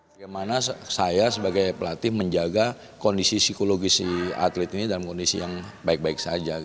bagaimana saya sebagai pelatih menjaga kondisi psikologis si atlet ini dalam kondisi yang baik baik saja